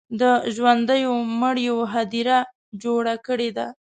د ژوندو مړیو هدیره جوړه کړې ده.